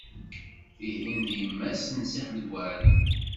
Tihin d yemma-s n Si Ḥmed Waɛli.